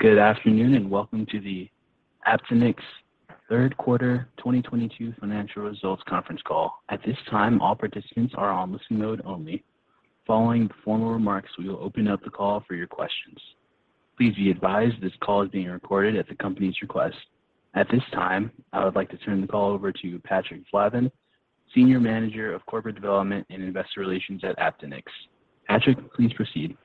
Good afternoon, and welcome to the Aptinyx third quarter 2022 financial results conference call. At this time, all participants are on listen mode only. Following the formal remarks, we will open up the call for your questions. Please be advised this call is being recorded at the company's request. At this time, I would like to turn the call over to Patrick Flavin, Senior Manager of Corporate Development and Investor Relations at Aptinyx. Patrick, please proceed.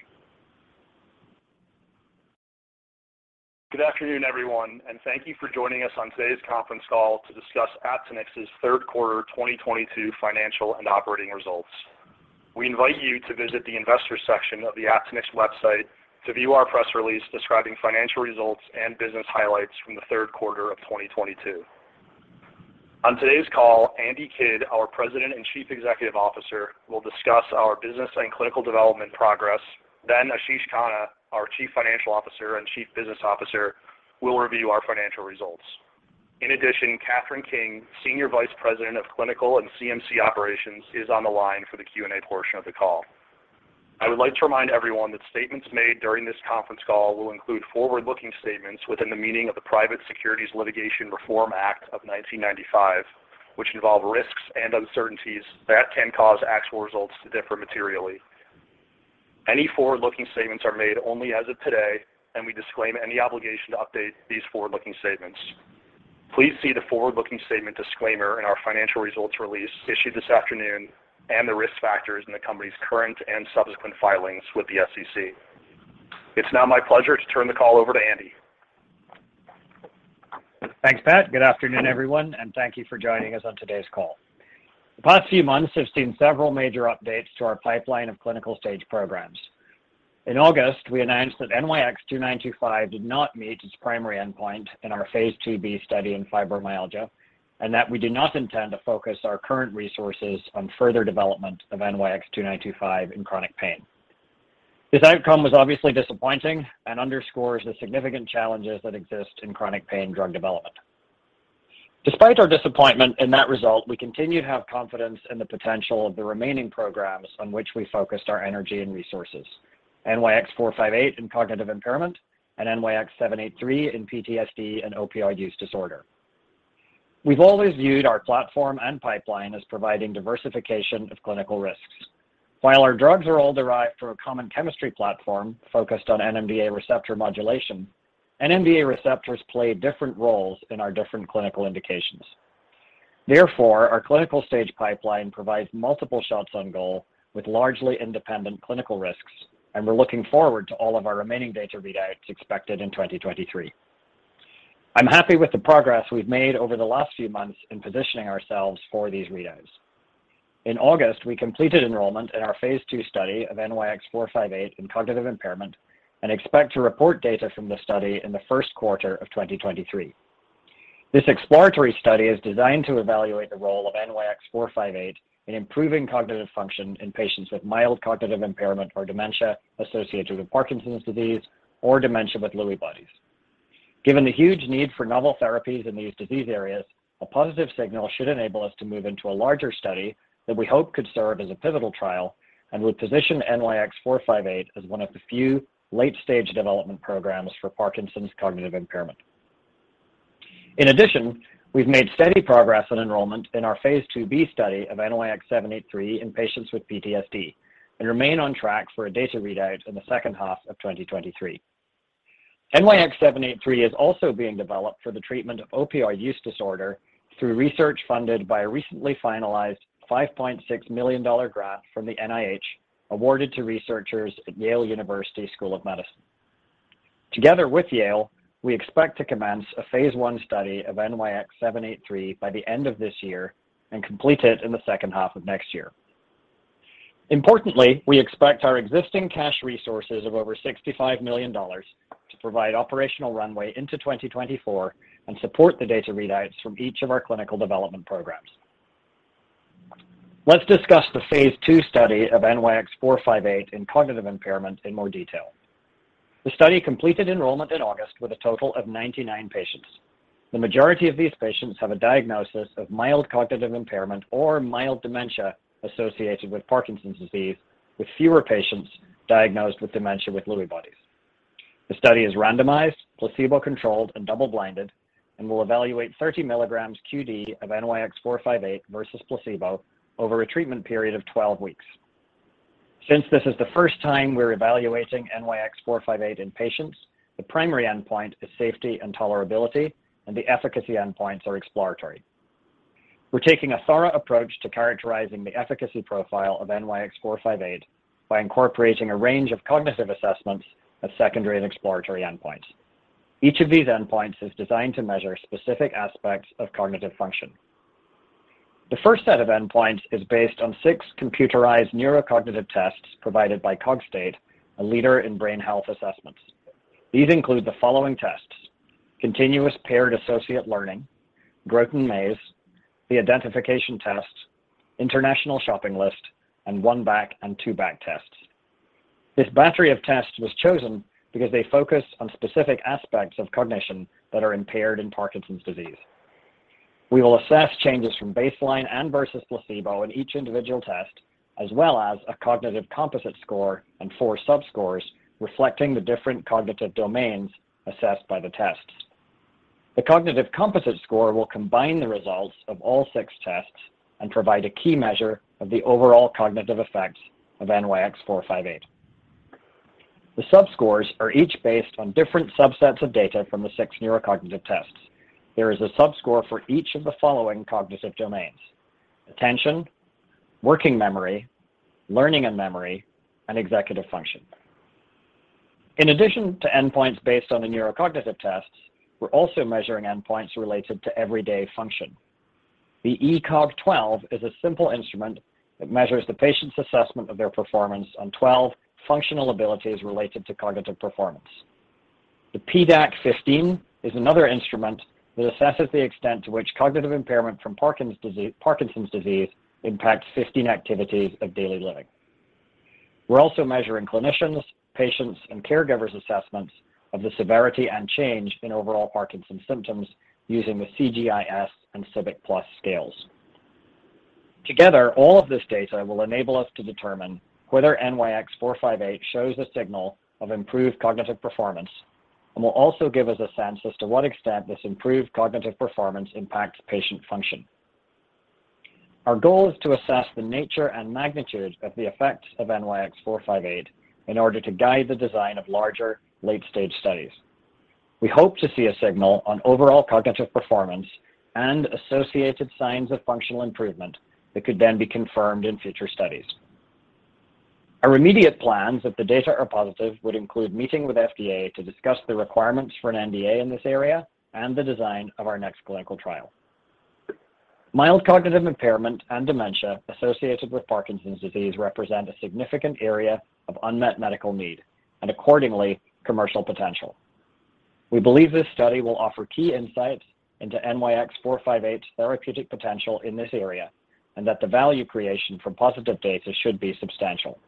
Good afternoon, everyone, and thank you for joining us on today's conference call to discuss Aptinyx's third quarter 2022 financial and operating results. We invite you to visit the investors section of the Aptinyx website to view our press release describing financial results and business highlights from the third quarter of 2022. On today's call, Andy Kidd, our President and Chief Executive Officer, will discuss our business and clinical development progress. Then Ashish Khanna, our Chief Financial Officer and Chief Business Officer, will review our financial results. In addition, Kathryn King, Senior Vice President of Clinical and CMC Operations, is on the line for the Q&A portion of the call. I would like to remind everyone that statements made during this conference call will include forward-looking statements within the meaning of the Private Securities Litigation Reform Act of 1995, which involve risks and uncertainties that can cause actual results to differ materially. Any forward-looking statements are made only as of today, and we disclaim any obligation to update these forward-looking statements. Please see the forward-looking statement disclaimer in our financial results release issued this afternoon and the risk factors in the company's current and subsequent filings with the SEC. It's now my pleasure to turn the call over to Andy. Thanks, Pat. Good afternoon, everyone, and thank you for joining us on today's call. The past few months have seen several major updates to our pipeline of clinical-stage programs. In August, we announced that NYX-2925 did not meet its primary endpoint in our phase 2b study in fibromyalgia, and that we do not intend to focus our current resources on further development of NYX-2925 in chronic pain. This outcome was obviously disappointing and underscores the significant challenges that exist in chronic pain drug development. Despite our disappointment in that result, we continue to have confidence in the potential of the remaining programs on which we focused our energy and resources, NYX-458 in cognitive impairment and NYX-783 in PTSD and opioid use disorder. We've always viewed our platform and pipeline as providing diversification of clinical risks. While our drugs are all derived from a common chemistry platform focused on NMDA receptor modulation, NMDA receptors play different roles in our different clinical indications. Therefore, our clinical stage pipeline provides multiple shots on goal with largely independent clinical risks, and we're looking forward to all of our remaining data readouts expected in 2023. I'm happy with the progress we've made over the last few months in positioning ourselves for these readouts. In August, we completed enrollment in our phase 2 study of NYX-458 in cognitive impairment and expect to report data from the study in the first quarter of 2023. This exploratory study is designed to evaluate the role of NYX-458 in improving cognitive function in patients with mild cognitive impairment or dementia associated with Parkinson's disease or dementia with Lewy bodies. Given the huge need for novel therapies in these disease areas, a positive signal should enable us to move into a larger study that we hope could serve as a pivotal trial and would position NYX-458 as one of the few late-stage development programs for Parkinson's cognitive impairment. In addition, we've made steady progress on enrollment in our phase 2b study of NYX-783 in patients with PTSD and remain on track for a data readout in the second half of 2023. NYX-783 is also being developed for the treatment of opioid use disorder through research funded by a recently finalized $5.6 million grant from the NIH awarded to researchers at Yale University School of Medicine. Together with Yale, we expect to commence a phase one study of NYX-783 by the end of this year and complete it in the second half of next year. Importantly, we expect our existing cash resources of over $65 million to provide operational runway into 2024 and support the data readouts from each of our clinical development programs. Let's discuss the phase two study of NYX-458 in cognitive impairment in more detail. The study completed enrollment in August with a total of 99 patients. The majority of these patients have a diagnosis of mild cognitive impairment or mild dementia associated with Parkinson's disease, with fewer patients diagnosed with dementia with Lewy bodies. The study is randomized, placebo-controlled, and double-blinded and will evaluate 30 milligrams QD of NYX-458 versus placebo over a treatment period of 12 weeks. Since this is the first time we're evaluating NYX-458 in patients, the primary endpoint is safety and tolerability, and the efficacy endpoints are exploratory. We're taking a thorough approach to characterizing the efficacy profile of NYX-458 by incorporating a range of cognitive assessments of secondary and exploratory endpoints. Each of these endpoints is designed to measure specific aspects of cognitive function. The first set of endpoints is based on six computerized neurocognitive tests provided by Cogstate, a leader in brain health assessments. These include the following tests, Continuous Paired Associate Learning, Groton Maze, the Identification Test, International Shopping List, and One Back and Two Back tests. This battery of tests was chosen because they focus on specific aspects of cognition that are impaired in Parkinson's disease. We will assess changes from baseline and versus placebo in each individual test, as well as a cognitive composite score and four subscores reflecting the different cognitive domains assessed by the tests. The cognitive composite score will combine the results of all six tests and provide a key measure of the overall cognitive effects of NYX-458. The subscores are each based on different subsets of data from the six neurocognitive tests. There is a subscore for each of the following cognitive domains, attention, working memory, learning and memory, and executive function. In addition to endpoints based on the neurocognitive tests, we're also measuring endpoints related to everyday function. The ECog-12 is a simple instrument that measures the patient's assessment of their performance on 12 functional abilities related to cognitive performance. The PDAQ-15 is another instrument that assesses the extent to which cognitive impairment from Parkinson's disease impacts 15 activities of daily living. We're also measuring clinicians', patients', and caregivers' assessments of the severity and change in overall Parkinson's symptoms using the CGI-S and CGIC scales. Together, all of this data will enable us to determine whether NYX-458 shows a signal of improved cognitive performance and will also give us a sense as to what extent this improved cognitive performance impacts patient function. Our goal is to assess the nature and magnitude of the effects of NYX-458 in order to guide the design of larger late-stage studies. We hope to see a signal on overall cognitive performance and associated signs of functional improvement that could then be confirmed in future studies. Our immediate plans, if the data are positive, would include meeting with FDA to discuss the requirements for an NDA in this area and the design of our next clinical trial. Mild cognitive impairment and dementia associated with Parkinson's disease represent a significant area of unmet medical need and accordingly, commercial potential. We believe this study will offer key insights into NYX-458's therapeutic potential in this area and that the value creation from positive data should be substantial.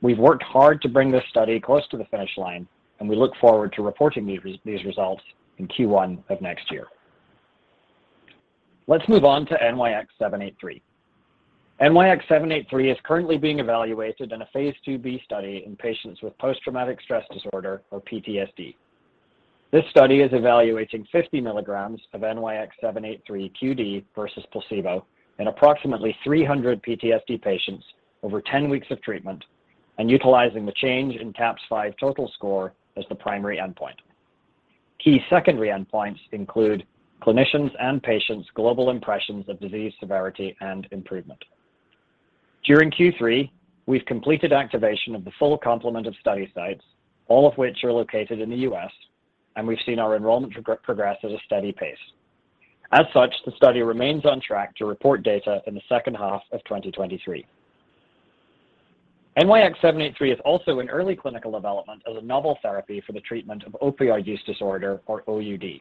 We've worked hard to bring this study close to the finish line, and we look forward to reporting these results in Q1 of next year. Let's move on to NYX-783. NYX-783 is currently being evaluated in a phase 2b study in patients with post-traumatic stress disorder or PTSD. This study is evaluating 50 milligrams of NYX-783 QD versus placebo in approximately 300 PTSD patients over 10 weeks of treatment and utilizing the change in CAPS-5 total score as the primary endpoint. Key secondary endpoints include clinicians' and patients' global impressions of disease severity and improvement. During Q3, we've completed activation of the full complement of study sites, all of which are located in the U.S., and we've seen our enrollment progress at a steady pace. As such, the study remains on track to report data in the second half of 2023. NYX-783 is also in early clinical development as a novel therapy for the treatment of opioid use disorder or OUD.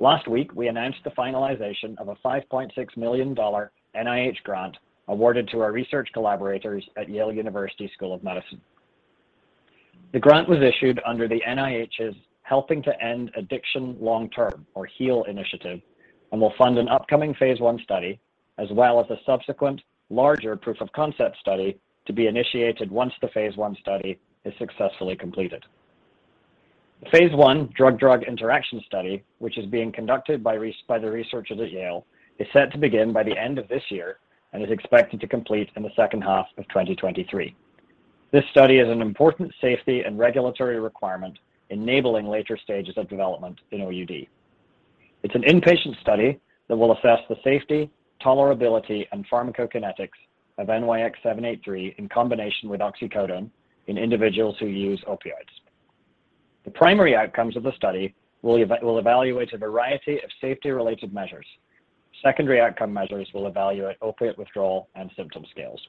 Last week, we announced the finalization of a $5.6 million NIH grant awarded to our research collaborators at Yale School of Medicine. The grant was issued under the NIH's Helping to End Addiction Long-Term or HEAL initiative and will fund an upcoming phase 1 study as well as a subsequent larger proof-of-concept study to be initiated once the phase 1 study is successfully completed. The phase 1 drug-drug interaction study, which is being conducted by the researchers at Yale, is set to begin by the end of this year and is expected to complete in the second half of 2023. This study is an important safety and regulatory requirement enabling later stages of development in OUD. It's an inpatient study that will assess the safety, tolerability, and pharmacokinetics of NYX-783 in combination with oxycodone in individuals who use opioids. The primary outcomes of the study will evaluate a variety of safety-related measures. Secondary outcome measures will evaluate opioid withdrawal and symptom scales.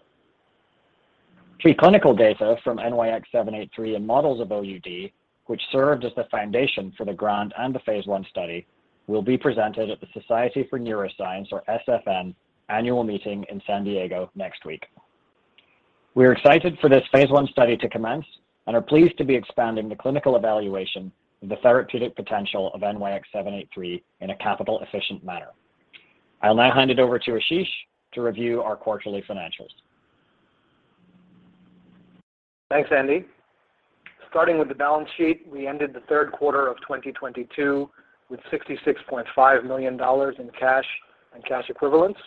Preclinical data from NYX-783 and models of OUD, which served as the foundation for the grant and the phase 1 study, will be presented at the Society for Neuroscience or SFN annual meeting in San Diego next week. We're excited for this phase 1 study to commence and are pleased to be expanding the clinical evaluation of the therapeutic potential of NYX-783 in a capital-efficient manner. I'll now hand it over to Ashish to review our quarterly financials. Thanks, Andy. Starting with the balance sheet, we ended the third quarter of 2022 with $66.5 million in cash and cash equivalents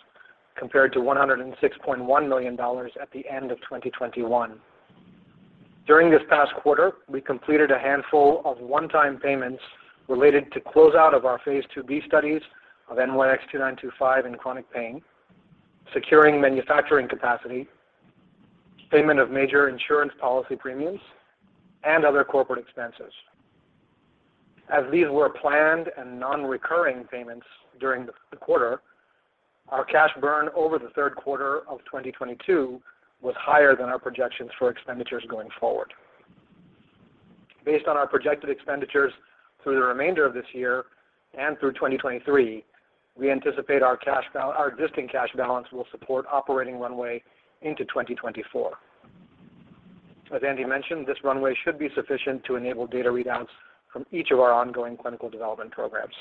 compared to $106.1 million at the end of 2021. During this past quarter, we completed a handful of one-time payments related to closeout of our phase 2b studies of NYX-2925 in chronic pain, securing manufacturing capacity, payment of major insurance policy premiums, and other corporate expenses. As these were planned and non-recurring payments during the third quarter of 2022, our cash burn over the third quarter of 2022 was higher than our projections for expenditures going forward. Based on our projected expenditures through the remainder of this year and through 2023, we anticipate our existing cash balance will support operating runway into 2024. As Andy mentioned, this runway should be sufficient to enable data readouts from each of our ongoing clinical development programs.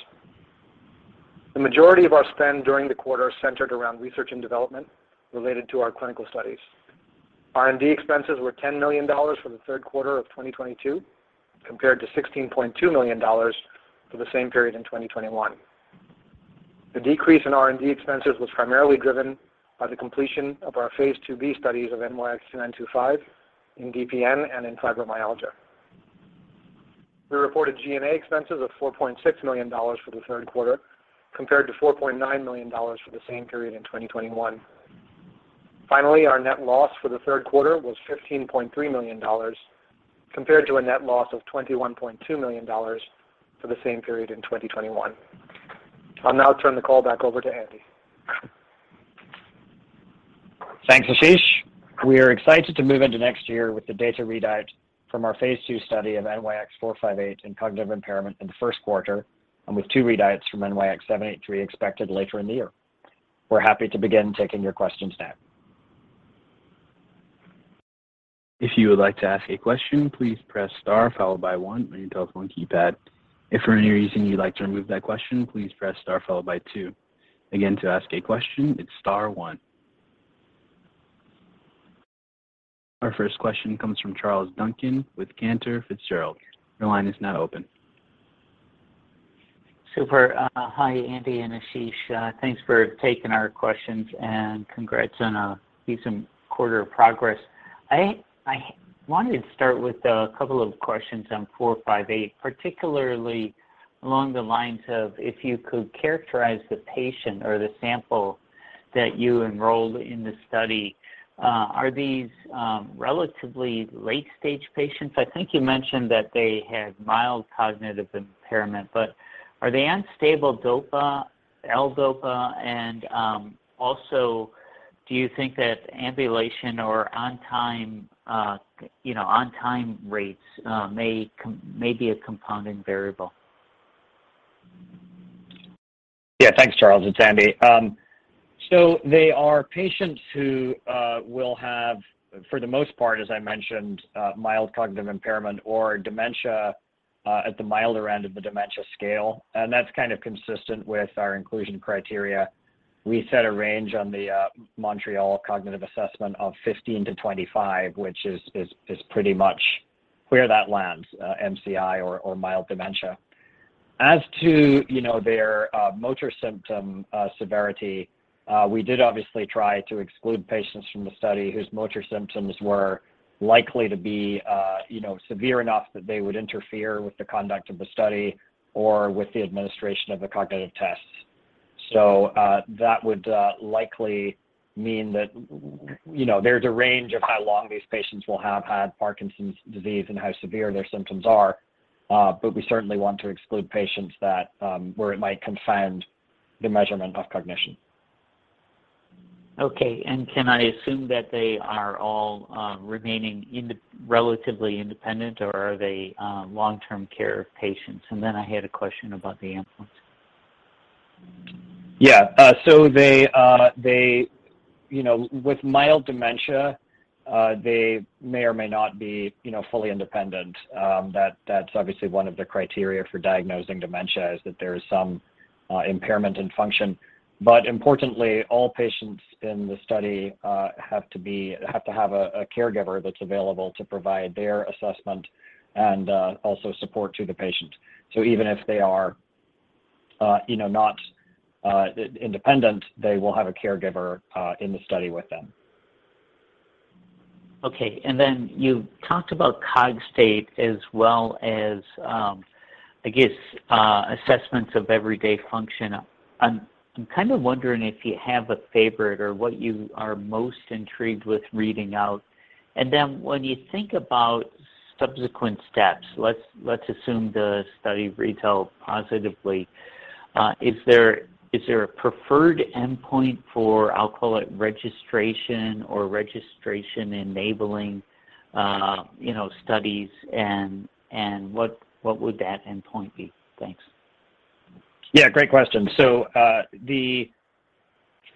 The majority of our spend during the quarter centered around research and development related to our clinical studies. R&D expenses were $10 million for the third quarter of 2022, compared to $16.2 million for the same period in 2021. The decrease in R&D expenses was primarily driven by the completion of our phase 2B studies of NYX-2925 in DPN and in fibromyalgia. We reported G&A expenses of $4.6 million for the third quarter, compared to $4.9 million for the same period in 2021. Finally, our net loss for the third quarter was $15.3 million, compared to a net loss of $21.2 million for the same period in 2021. I'll now turn the call back over to Andy. Thanks, Ashish. We are excited to move into next year with the data readout from our phase 2 study of NYX-458 in cognitive impairment in the first quarter, and with two readouts from NYX-783 expected later in the year. We're happy to begin taking your questions now. If you would like to ask a question, please press star followed by one on your telephone keypad. If for any reason you'd like to remove that question, please press star followed by two. Again, to ask a question, it's star one. Our first question comes from Charles Duncan with Cantor Fitzgerald. Your line is now open. Super. Hi, Andy and Ashish. Thanks for taking our questions, and congrats on a decent quarter of progress. I wanted to start with a couple of questions on NYX-458, particularly along the lines of if you could characterize the patient or the sample that you enrolled in the study. Are these relatively late-stage patients? I think you mentioned that they had mild cognitive impairment, but are they unstable dopa, L-DOPA? Also, do you think that ambulation or on-time rates may be a compounding variable? Yeah. Thanks, Charles. It's Andy. They are patients who will have, for the most part, as I mentioned, mild cognitive impairment or dementia at the milder end of the dementia scale, and that's kind of consistent with our inclusion criteria. We set a range on the Montreal Cognitive Assessment of 15-25, which is pretty much where that lands, MCI or mild dementia. As to, you know, their motor symptom severity, we did obviously try to exclude patients from the study whose motor symptoms were likely to be, you know, severe enough that they would interfere with the conduct of the study or with the administration of the cognitive tests. That would likely mean that, you know, there's a range of how long these patients will have had Parkinson's disease and how severe their symptoms are, but we certainly want to exclude patients where it might confound the measurement of cognition. Okay. Can I assume that they are all remaining relatively independent, or are they long-term care patients? Then I had a question about the influence. Yeah. They, you know, with mild dementia, they may or may not be, you know, fully independent. That's obviously one of the criteria for diagnosing dementia, is that there is some impairment in function. Importantly, all patients in the study have to have a caregiver that's available to provide their assessment and also support to the patient. Even if they are, you know, not independent, they will have a caregiver in the study with them. Okay. Then you talked about Cogstate as well as, I guess, assessments of everyday function. I'm kind of wondering if you have a favorite or what you are most intrigued with reading out. Then when you think about subsequent steps, let's assume the study reads out positively, is there a preferred endpoint for, I'll call it registration or registration-enabling, you know, studies, and what would that endpoint be? Thanks. Yeah, great question.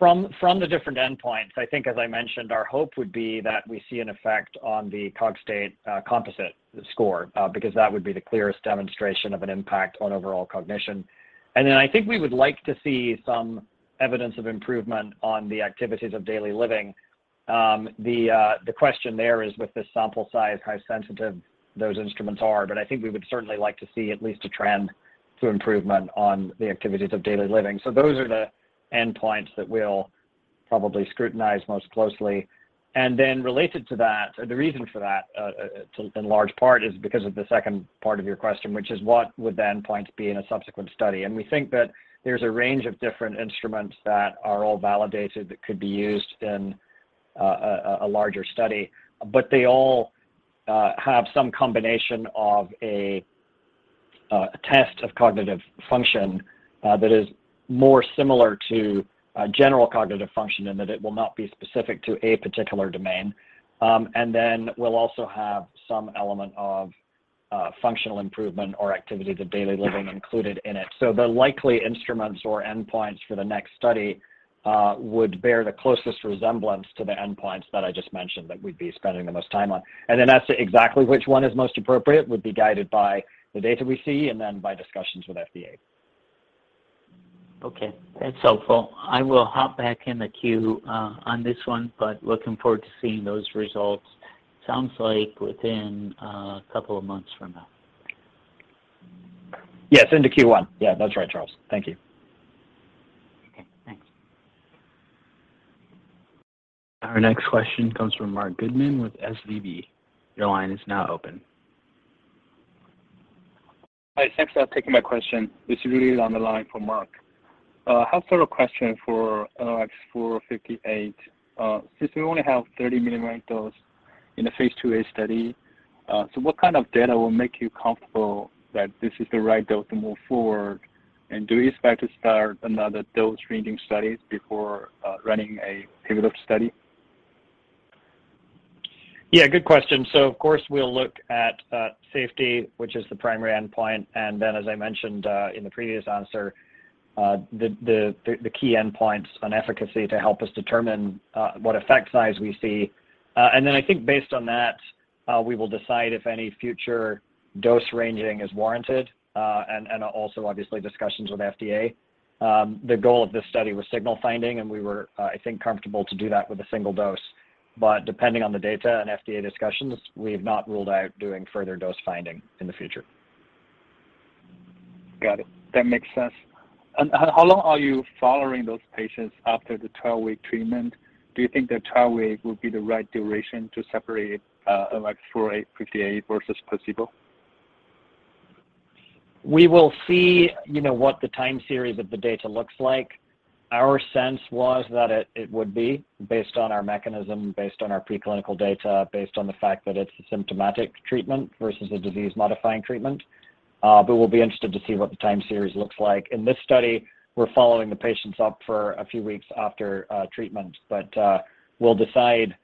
From the different endpoints, I think, as I mentioned, our hope would be that we see an effect on the Cogstate composite score, because that would be the clearest demonstration of an impact on overall cognition. Then I think we would like to see some evidence of improvement on the activities of daily living. The question there is with the sample size, how sensitive those instruments are. I think we would certainly like to see at least a trend to improvement on the activities of daily living. Those are the endpoints that we'll probably scrutinize most closely. Then related to that, or the reason for that, in large part is because of the second part of your question, which is what would the endpoints be in a subsequent study. We think that there's a range of different instruments that are all validated that could be used in a larger study. They all have some combination of a test of cognitive function that is more similar to a general cognitive function in that it will not be specific to a particular domain. We'll also have some element of functional improvement or activities of daily living included in it. The likely instruments or endpoints for the next study would bear the closest resemblance to the endpoints that I just mentioned that we'd be spending the most time on. As to exactly which one is most appropriate would be guided by the data we see and then by discussions with FDA. Okay. That's helpful. I will hop back in the queue on this one, but looking forward to seeing those results. Sounds like within a couple of months from now. Yes, into Q1. Yeah, that's right, Charles. Thank you. Okay, thanks. Our next question comes from Marc Goodman with SVB. Your line is now open. Hi. Thanks for taking my question. This is really on the line for Marc. I have sort of a question for NYX-458. Since we only have 30 milligram dose in the phase 2A study, what kind of data will make you comfortable that this is the right dose to move forward? Do you expect to start another dose-ranging studies before running a pivotal study? Yeah, good question. Of course, we'll look at safety, which is the primary endpoint. Then as I mentioned in the previous answer, the key endpoints on efficacy to help us determine what effect size we see. Then I think based on that, we will decide if any future dose ranging is warranted, and also obviously discussions with FDA. The goal of this study was signal finding, and we were, I think comfortable to do that with a single dose. Depending on the data and FDA discussions, we have not ruled out doing further dose finding in the future. Got it. That makes sense. How long are you following those patients after the 12-week treatment? Do you think that 12 week would be the right duration to separate NYX-458 versus placebo? We will see, you know, what the time series of the data looks like. Our sense was that it would be based on our mechanism, based on our preclinical data, based on the fact that it's a symptomatic treatment versus a disease modifying treatment. We'll be interested to see what the time series looks like. In this study, we're following the patients up for a few weeks after treatment. We'll decide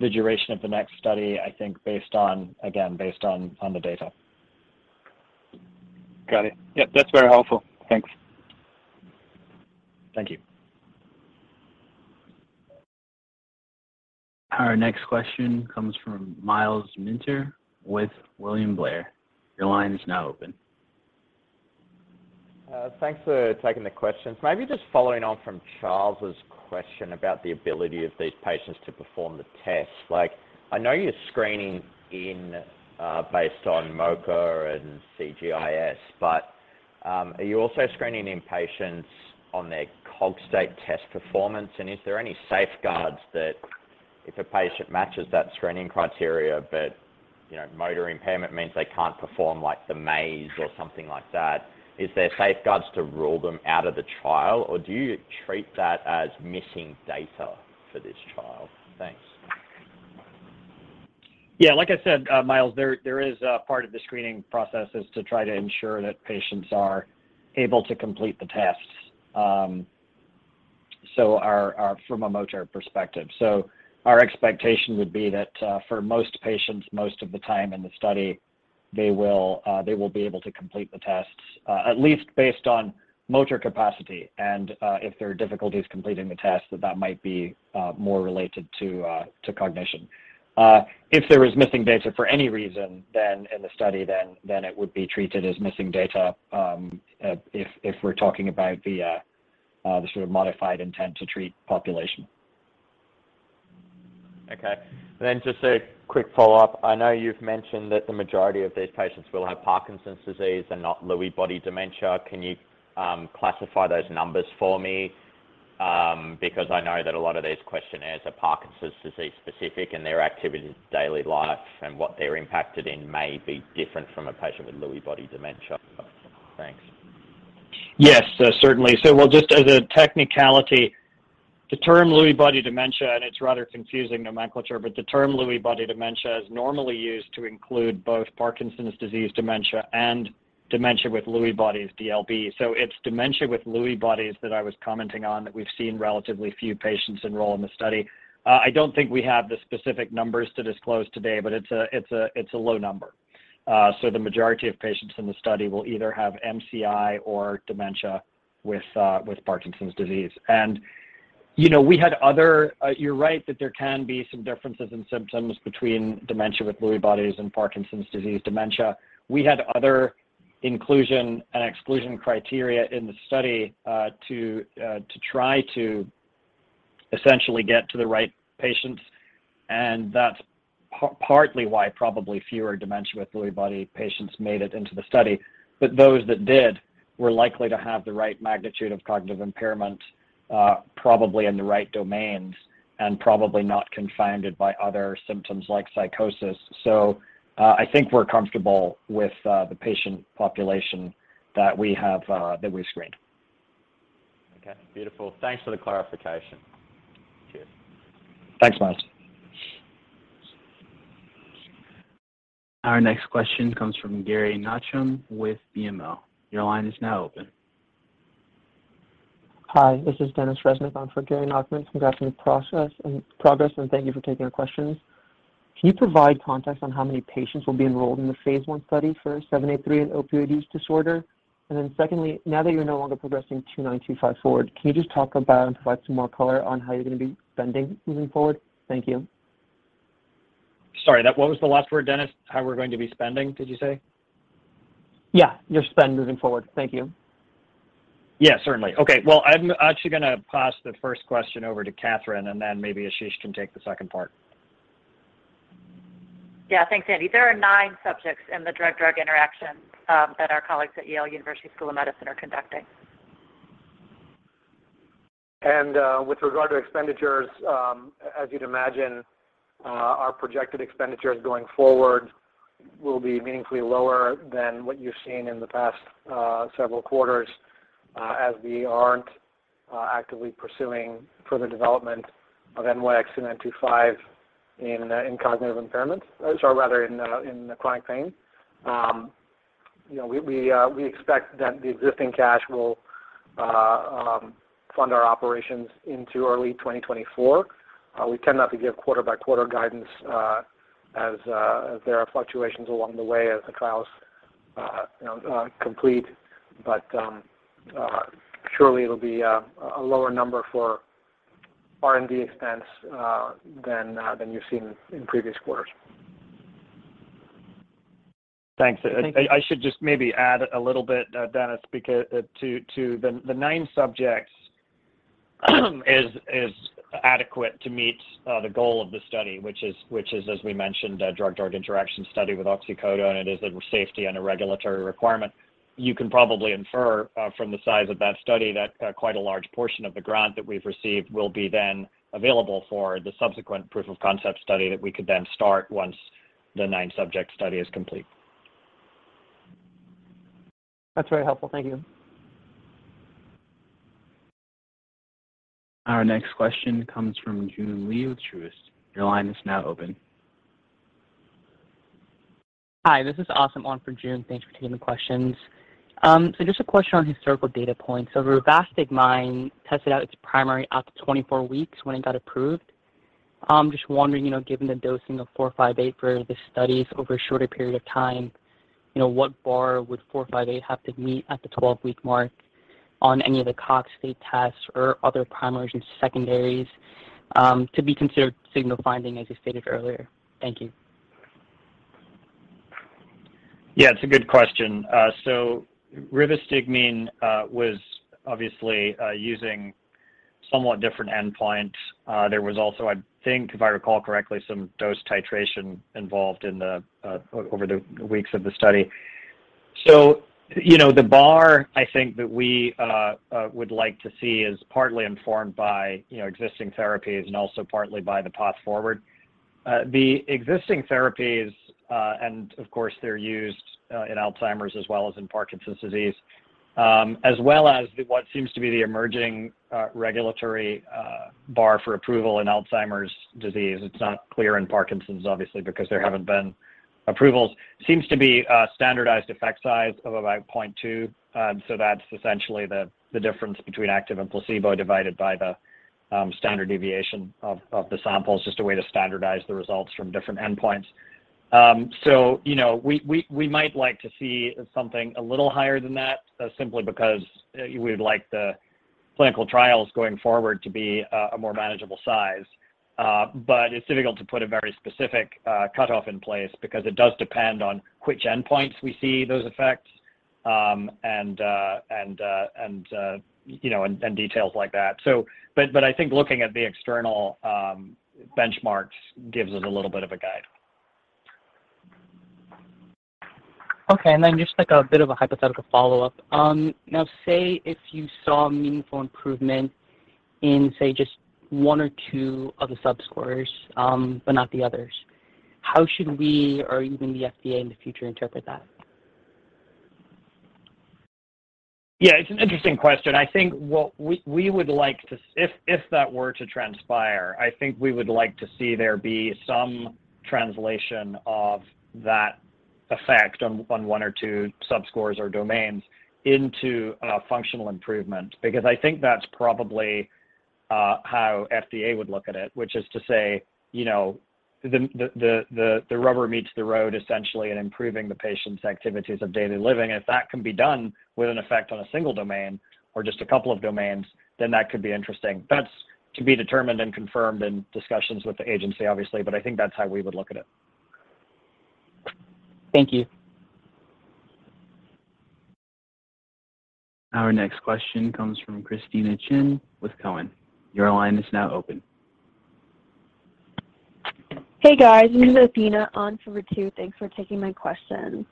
the duration of the next study, I think, based on, again, based on the data. Got it. Yep, that's very helpful. Thanks. Thank you. Our next question comes from Myles Minter with William Blair. Your line is now open. Thanks for taking the questions. Maybe just following on from Charles's question about the ability of these patients to perform the test. Like, I know you're screening in based on MoCA and CGI-S, but are you also screening in patients on their Cogstate test performance? And is there any safeguards that if a patient matches that screening criteria, but you know, motor impairment means they can't perform like the maze or something like that, is there safeguards to rule them out of the trial, or do you treat that as missing data for this trial? Thanks. Yeah, like I said, Myles, there is a part of the screening process is to try to ensure that patients are able to complete the tests from a motor perspective. Our expectation would be that for most patients, most of the time in the study, they will be able to complete the tests at least based on motor capacity. If there are difficulties completing the test, that might be more related to cognition. If there is missing data for any reason, then in the study, it would be treated as missing data if we're talking about the sort of modified intent to treat population. Okay. Just a quick follow-up. I know you've mentioned that the majority of these patients will have Parkinson's Disease and not Lewy body dementia. Can you classify those numbers for me? Because I know that a lot of these questionnaires are Parkinson's Disease specific, and their activities of daily life and what they're impacted in may be different from a patient with Lewy body dementia. Thanks. Yes, certainly. Well, just as a technicality, the term Lewy body dementia, and it's rather confusing nomenclature, but the term Lewy body dementia is normally used to include both Parkinson's disease dementia and dementia with Lewy bodies, DLB. It's dementia with Lewy bodies that I was commenting on that we've seen relatively few patients enroll in the study. I don't think we have the specific numbers to disclose today, but it's a low number. The majority of patients in the study will either have MCI or dementia with Parkinson's disease. You know, you're right that there can be some differences in symptoms between dementia with Lewy bodies and Parkinson's disease dementia. We had other inclusion and exclusion criteria in the study to try to essentially get to the right patients, and that's partly why probably fewer dementia with Lewy bodies patients made it into the study. Those that did were likely to have the right magnitude of cognitive impairment, probably in the right domains and probably not confounded by other symptoms like psychosis. I think we're comfortable with the patient population that we have that we screened. Okay. Beautiful. Thanks for the clarification. Cheers. Thanks, Myles. Our next question comes from Gary Nachman with BMO. Your line is now open. Hi, this is Gennadiy Reznik in for Gary Nachman. Congrats on your progress, and thank you for taking our questions. Can you provide context on how many patients will be enrolled in the phase 1 study for 783 and opioid use disorder? Then, secondly, now that you're no longer progressing 2925 forward, can you just talk about and provide some more color on how you're gonna be spending moving forward? Thank you. Sorry, what was the last word, Gennadiy? How we're going to be spending, did you say? Yeah. Your spend moving forward? Thank you. Yeah, certainly. Okay. Well, I'm actually gonna pass the first question over to Kathryn, and then maybe Ashish can take the second part. Yeah. Thanks, Andy. There are nine subjects in the drug-drug interaction that our colleagues at Yale University School of Medicine are conducting. With regard to expenditures, as you'd imagine, our projected expenditures going forward will be meaningfully lower than what you've seen in the past several quarters, as we aren't actively pursuing further development of NYX-2925 in chronic pain. You know, we expect that the existing cash will fund our operations into early 2024. We tend not to give quarter by quarter guidance, as there are fluctuations along the way as the trials you know complete. Surely it'll be a lower number for R&D expense than you've seen in previous quarters. Thanks. Thank you. I should just maybe add a little bit, Gennadiy, because the nine subjects is adequate to meet the goal of the study, which is, as we mentioned, a drug-drug interaction study with oxycodone. It is a safety and a regulatory requirement. You can probably infer from the size of that study that quite a large portion of the grant that we've received will be then available for the subsequent proof of concept study that we could then start once the nine-subject study is complete. That's very helpful. Thank you. Our next question comes from Joon Lee with Truist. Your line is now open. Hi, this is Aseem. On for Joon. Thanks for taking the questions. Just a question on historical data points. Rivastigmine tested out its primary up to 24 weeks when it got approved. Just wondering, you know, given the dosing of 458 for the studies over a shorter period of time, you know, what bar would 458 have to meet at the 12-week mark on any of the Cogstate tests or other primaries and secondaries, to be considered signal finding, as you stated earlier? Thank you. Yeah, it's a good question. Rivastigmine was obviously using somewhat different endpoints. There was also, I think, if I recall correctly, some dose titration involved in the over the weeks of the study. You know, the bar I think that we would like to see is partly informed by, you know, existing therapies and also partly by the path forward. The existing therapies, and of course, they're used in Alzheimer's as well as in Parkinson's disease, as well as what seems to be the emerging regulatory bar for approval in Alzheimer's disease. It's not clear in Parkinson's obviously, because there haven't been approvals. Seems to be a standardized effect size of about 0.2. That's essentially the difference between active and placebo divided by the standard deviation of the sample. It's just a way to standardize the results from different endpoints. You know, we might like to see something a little higher than that, simply because we would like the clinical trials going forward to be a more manageable size. It's difficult to put a very specific cutoff in place because it does depend on which endpoints we see those effects, and you know, details like that. I think looking at the external benchmarks gives us a little bit of a guide. Okay. Just like a bit of a hypothetical follow-up. Now say if you saw meaningful improvement in, say, just one or two of the subscores, but not the others, how should we or even the FDA in the future interpret that? Yeah, it's an interesting question. I think what we would like to see if that were to transpire, I think we would like to see there be some translation of that effect on one or two subscores or domains into a functional improvement. Because I think that's probably how FDA would look at it, which is to say, you know, the rubber meets the road essentially in improving the patient's activities of daily living. If that can be done with an effect on a single domain or just a couple of domains, then that could be interesting. That's to be determined and confirmed in discussions with the agency, obviously, but I think that's how we would look at it. Thank you. Our next question comes from Athena Chin with Cowen. Your line is now open. Hey, guys. This is Athena on for Ritu. Thanks for taking my questions.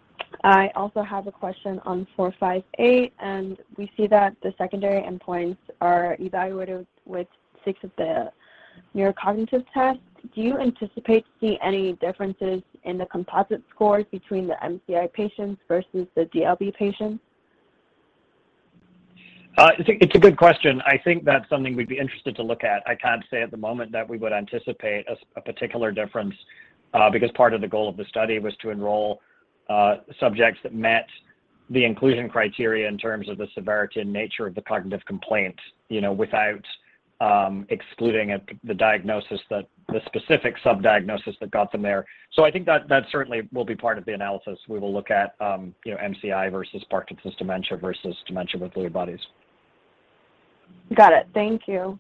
I also have a question on 458, and we see that the secondary endpoints are evaluated with six of the neurocognitive tests. Do you anticipate to see any differences in the composite scores between the MCI patients versus the DLB patients? It's a good question. I think that's something we'd be interested to look at. I can't say at the moment that we would anticipate a particular difference because part of the goal of the study was to enroll subjects that met the inclusion criteria in terms of the severity and nature of the cognitive complaint, you know, without excluding the specific sub-diagnosis that got them there. I think that certainly will be part of the analysis. We will look at, you know, MCI versus Parkinson's dementia versus dementia with Lewy bodies. Got it. Thank you.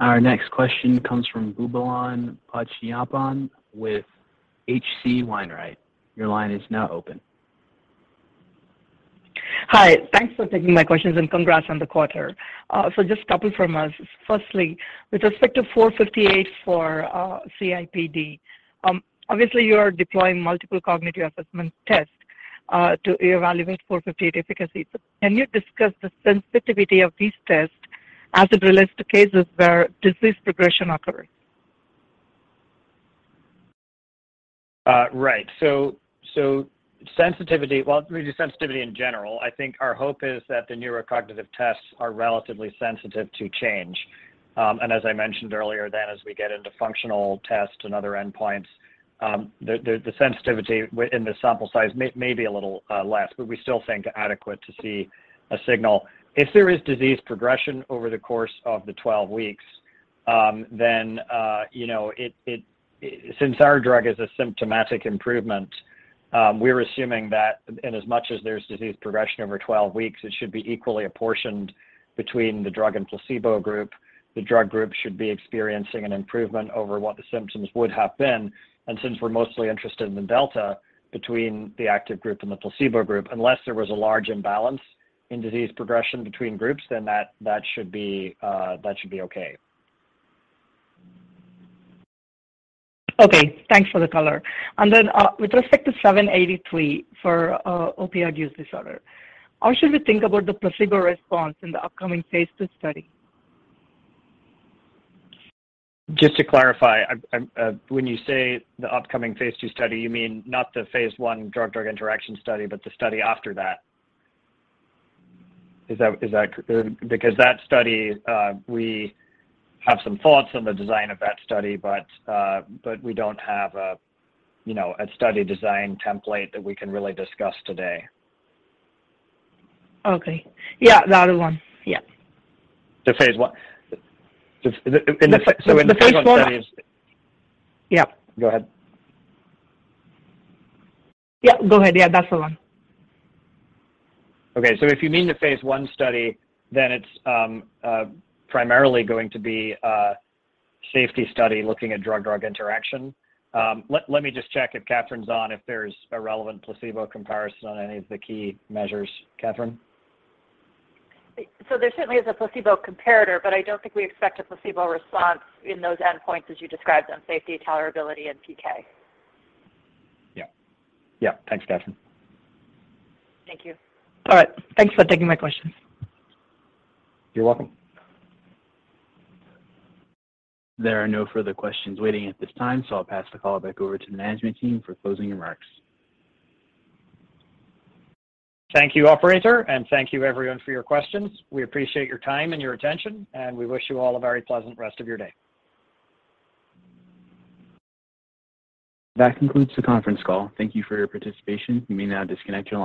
Our next question comes from Boobalan Pachaiyappan with H.C. Wainwright. Your line is now open. Hi. Thanks for taking my questions, and congrats on the quarter. Just a couple from us. Firstly, with respect to 458 for CIPD, obviously you are deploying multiple cognitive assessment tests to evaluate 458 efficacy. Can you discuss the sensitivity of these tests as it relates to cases where disease progression occurs? Sensitivity in general, I think our hope is that the neurocognitive tests are relatively sensitive to change. As I mentioned earlier, as we get into functional tests and other endpoints, the sensitivity in the sample size may be a little less, but we still think adequate to see a signal. If there is disease progression over the course of the 12 weeks, since our drug is a symptomatic improvement, we're assuming that in as much as there's disease progression over 12 weeks, it should be equally apportioned between the drug and placebo group. The drug group should be experiencing an improvement over what the symptoms would have been. Since we're mostly interested in the delta between the active group and the placebo group, unless there was a large imbalance in disease progression between groups, then that should be okay. Okay. Thanks for the color. With respect to NYX-783 for opioid use disorder, how should we think about the placebo response in the upcoming phase 2 study? Just to clarify, when you say the upcoming phase 2 study, you mean not the phase 1 drug-drug interaction study, but the study after that? Is that because that study, we have some thoughts on the design of that study, but we don't have a, you know, a study design template that we can really discuss today. Okay. Yeah, the other one. Yeah. The phase 1. The phase 1. When phase 1 study is Yep. Go ahead. Yep, go ahead. Yeah, that's the one. Okay. If you mean the phase 1 study, then it's primarily going to be a safety study looking at drug-drug interaction. Let me just check if Kathryn's on, if there's a relevant placebo comparison on any of the key measures. Kathryn? There certainly is a placebo comparator, but I don't think we expect a placebo response in those endpoints as you described them, safety, tolerability, and PK. Yeah. Yeah. Thanks, Kathryn. Thank you. All right. Thanks for taking my questions. You're welcome. There are no further questions waiting at this time, so I'll pass the call back over to the management team for closing remarks. Thank you, operator, and thank you everyone for your questions. We appreciate your time and your attention, and we wish you all a very pleasant rest of your day. That concludes the conference call. Thank you for your participation. You may now disconnect your line.